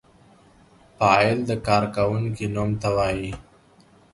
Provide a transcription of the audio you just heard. فاعل د کار کوونکی نوم ته وايي.